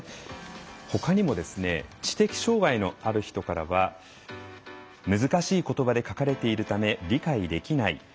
ほかにも知的障害のある人からは難しいことばで書かれているため理解できない。